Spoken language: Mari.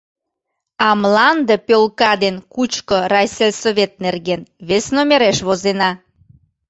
А мланде пӧлка ден Кучко райсельсовет нерген вес номереш возена.